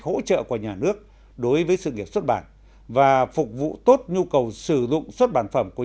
hỗ trợ của nhà nước đối với sự nghiệp xuất bản và phục vụ tốt nhu cầu sử dụng xuất bản phẩm của